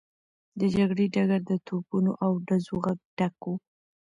د جګړې ډګر د توپونو او ډزو غږ ډک و.